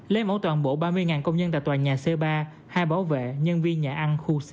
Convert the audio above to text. lấy mẫu toàn bộ ba mươi công nhân tại tòa nhà c ba hai bảo vệ nhân viên nhà ăn khu c